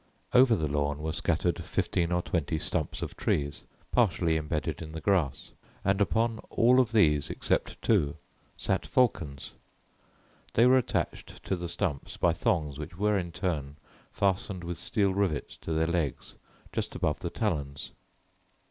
Over the lawn were scattered fifteen or twenty stumps of trees partially imbedded in the grass and upon all of these except two sat falcons. They were attached to the stumps by thongs which were in turn fastened with steel rivets to their legs just above the talons.